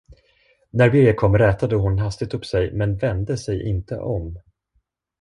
När Birger kom, rätade hon hastigt upp sig, men vände sig inte om.